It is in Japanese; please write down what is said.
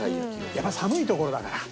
やっぱり寒いところだから。